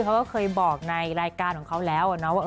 เขาก็เคยบอกในรายการของเขาแล้วนะว่า